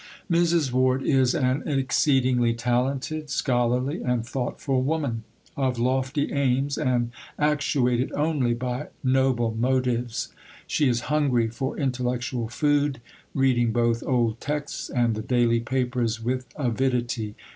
Mrs. Ward is an exceedingly talented, scholarly, and thoughtful woman, of lofty aims and actuated only by noble motives; she is hungry for intellectual food, reading both old texts and the daily papers with avidity.